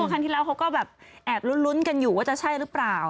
ครั้งที่เราก็แอบรุ้นกันอยู่ว่าจะใช่หรือเปล่า